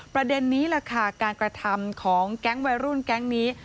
ประเด็นนี้แหละค่ะการกระทำของแก๊งวัยรุ่นแก๊งนี้